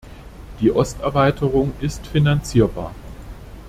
Die Osterweiterung ist finanzierbar.